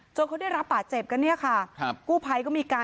จนเขาได้รับบาสเจ็บกันเนี่ยค่ะ